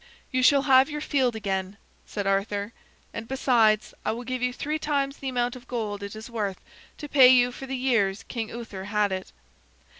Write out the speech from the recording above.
"You shall have your field again," said Arthur, "and besides I will give you three times the amount of gold it is worth to pay you for the years King Uther had it."